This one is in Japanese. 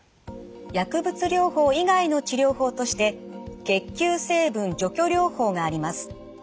薬物療法以外の治療法として血球成分除去療法があります。